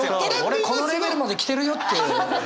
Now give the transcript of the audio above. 俺このレベルまでキテるよって。